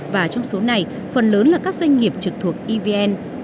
và trong số này phần lớn là các doanh nghiệp trực thuộc evn